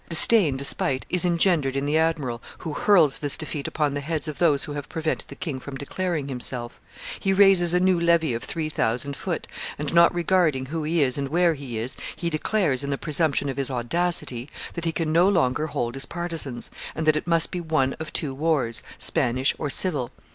Disdain, despite, is engendered in the admiral, who hurls this defeat upon the heads of those who have prevented the king from declaring himself; he raises a new levy of three thousand foot, and, not regarding who he is and where he is, he declares, in the presumption of his audacity, that he can no longer hold his partisans, and that it must be one of two wars, Spanish or civil.